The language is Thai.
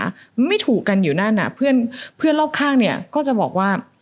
ไม่ถูกกันอยู่นั่นอ่ะเพื่อนเพื่อนรอบข้างเนี่ยก็จะบอกว่า